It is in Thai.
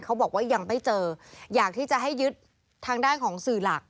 เขาบอกว่ายังไม่เจออยากที่จะให้ยึดทางด้านของสื่อหลัก